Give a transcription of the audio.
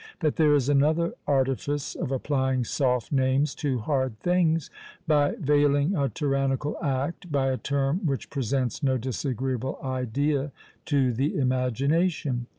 But there is another artifice of applying soft names to hard things, by veiling a tyrannical act by a term which presents no disagreeable idea to the imagination.